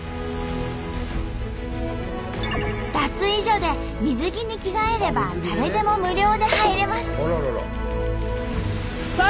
脱衣所で水着に着替えれば誰でも無料で入れます。